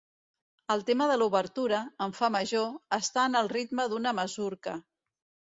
El tema de l'obertura, en fa major, està en el ritme d'una masurca.